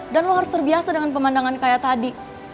dan lo harus terbiasa dengan pemandangan kayak tadi